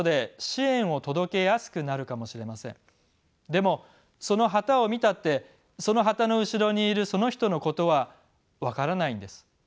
でもその旗を見たってその旗の後ろにいるその人のことは分からないんです。